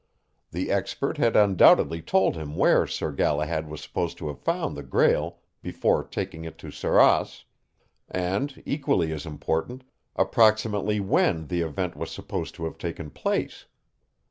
The expert had undoubtedly told him where Sir Galahad was supposed to have found the Grail before taking it to Sarras, and, equally as important, approximately when the event was supposed to have taken place.